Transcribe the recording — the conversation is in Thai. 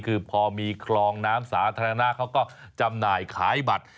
คือพอมีคลองน้ำสาธารณะเขาก็จำหน่ายขายบัตร